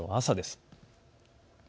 朝です。